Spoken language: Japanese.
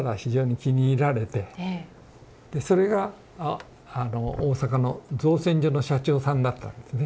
それが大阪の造船所の社長さんだったんですね。